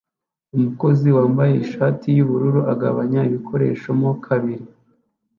Umukozi wambaye ishati yubururu agabanya ibikoresho mo kabiri